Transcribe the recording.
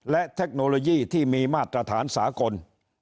และเทคโนโลยีที่มีมาตรฐานสากล